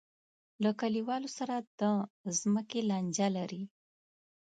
له کلیوالو سره د ځمکې لانجه لري.